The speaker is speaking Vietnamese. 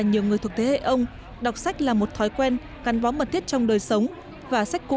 nhiều người thuộc thế hệ ông đọc sách là một thói quen gắn bó mật thiết trong đời sống và sách cũ